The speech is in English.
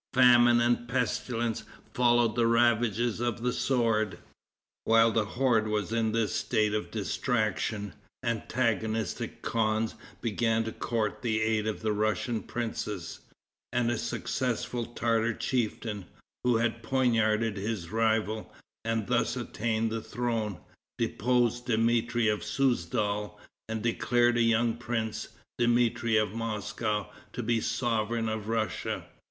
Famine and pestilence followed the ravages of the sword. While the horde was in this state of distraction, antagonistic khans began to court the aid of the Russian princes, and a successful Tartar chieftain, who had poignarded his rival, and thus attained the throne, deposed Dmitri of Souzdal, and declared a young prince, Dmitri of Moscow, to be sovereign of Russia.